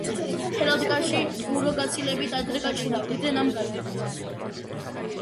ჰერალდიკაში ურო გაცილებით ადრე გაჩნდა, ვიდრე ნამგალი.